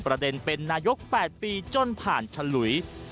ประเด็นเป็นนายก๘ปีจนผ่านฉลุย